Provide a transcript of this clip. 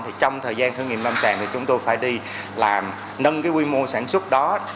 thì trong thời gian thử nghiệm lâm sàng thì chúng tôi phải đi làm nâng cái quy mô sản xuất đó